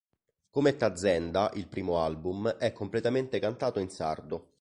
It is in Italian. Come "Tazenda", il primo album, è completamente cantato in sardo.